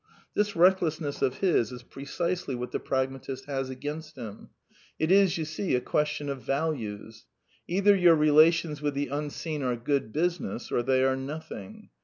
This recklessness of his is precisely what the pragma tist has against him. It is, you see, a question of " values." Either your relations with the Unseen are good business, or they are nothing.